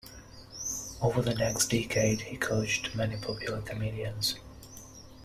Over the next decade he coached many popular comedians.